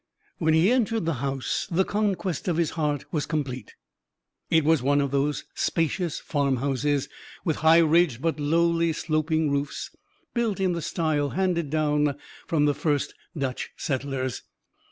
When he entered the house, the conquest of his heart was complete. It was one of those spacious farmhouses, with high ridged, but lowly sloping roofs, built in the style handed down from the first Dutch settlers.